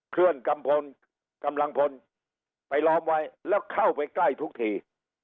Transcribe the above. เคลื่อนกัมพลกำลังพลไปล้อมไว้แล้วเข้าไปใกล้ทุกที